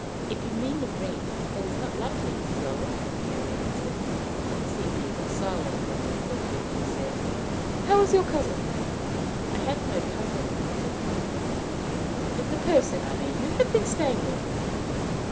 "If you mean the ring, that is not likely, Miss Yolland," Mary answered. Sepia was silent a moment or two, then said: "How is your cousin?" "I have no cousin," replied Mary. "The person, I mean, you have been staying with?"